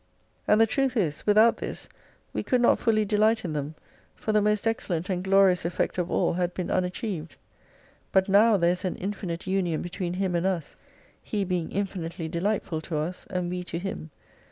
And the truth is, without this we could not fully delight in them, for the most excellent and glorious effect of all had been unachieved. But now there is an infinite union between Him and us, He being infinitely delightful to us, and we to Him.